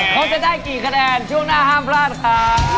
เขาจะได้กี่คะแนนช่วงหน้าห้ามพลาดครับ